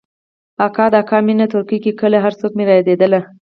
اکا د اکا مينه تورکى کلى کور هرڅه مې رايادېدل.